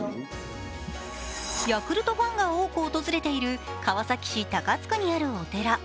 ヤクルトファンが多く訪れている川崎市高津区にあるお寺。